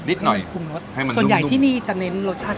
นิดหน่อยให้มันปรุงรสให้มันทุ่มทุ่มส่วนใหญ่ที่นี่จะเน้นรสชาติ